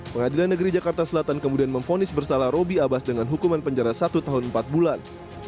pengadilan negeri jakarta selatan kemudian memfonis bersalah roby abbas dengan hukuman penjara satu tahun empat bulan